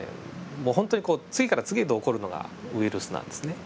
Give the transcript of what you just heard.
もう本当にこう次から次へと起こるのがウイルスなんですね。